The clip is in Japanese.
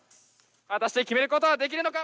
果たして決めることはできるのか？